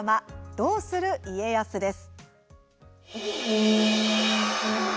「どうする家康」です。